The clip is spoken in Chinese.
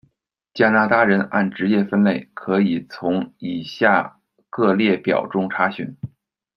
加拿大人按职业分类，可以从以下各列表中查询。